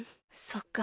そっか。